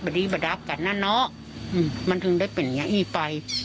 ยูยังประราบกันนะเนอะอืมมันถึงได้เป็นอย่างนี้ไป